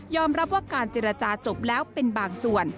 รับว่าการเจรจาจบแล้วเป็นบางส่วน